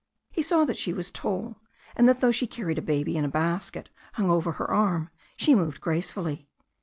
He saw that she was tall, and that though she carried a baby and a basket hung over her arm she moved gracefully.